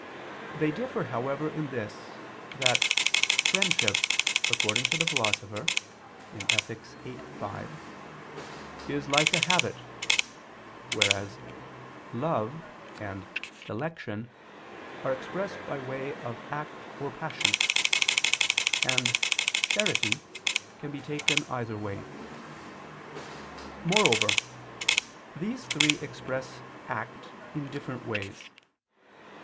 They differ, however, in this, that "friendship," according to the Philosopher (Ethic. viii, 5), "is like a habit," whereas "love" and "dilection" are expressed by way of act or passion; and "charity" can be taken either way. Moreover these three express act in different ways.